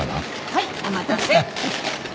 はいお待たせ。